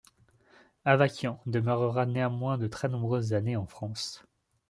Avakian demeurera néanmoins des très nombreuses années en France.